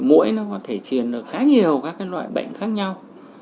mũi nó có thể triển được khá nhiều các loại bệnh khác nhau